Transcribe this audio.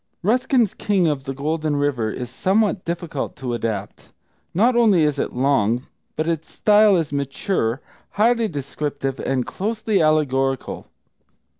Ruskin's King of the Golden River is somewhat difficult to adapt. Not only is it long, but its style is mature, highly descriptive, and closely allegorical.